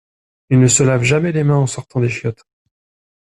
Il ne se lave jamais les mains en sortant des chiottes.